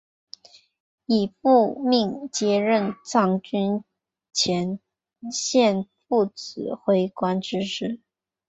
从父命接任藏军前线副指挥官之职。